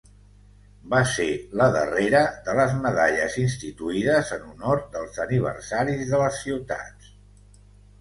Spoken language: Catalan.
Va ser la darrera de les medalles instituïdes en honor dels aniversaris de les ciutats.